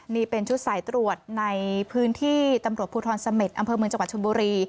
นี่เป็นชุดสายตรวจในพื้นที่ตำรวจภูทรเสม็ดอำเภอเมืองจังหวัดชนบุรี